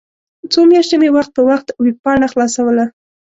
څو میاشتې مې وخت په وخت ویبپاڼه خلاصوله.